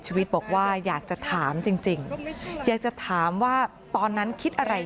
ชีวิตบอกว่าอยากจะถามจริงอยากจะถามว่าตอนนั้นคิดอะไร